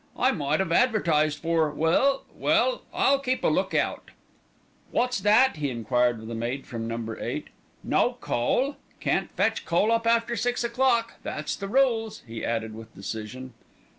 I might 'ave advertised for well, well, I'll keep a look out." "Wot's that?" he enquired of the maid from Number Eight. "No coal? Can't fetch coal up after six o'clock. That's the rules," he added with decision.